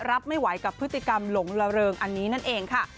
รับไม่ไหวกับพฤติกรรมหลงละเริงอันนี้นั่นเองค่ะ